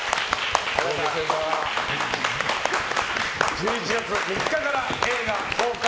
１１月３日から映画公開。